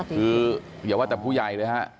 คืออย่าว่าแต่ผู้ใหญ่เลยฮะ